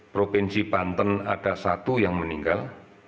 provinsi banten ada satu yang meninggal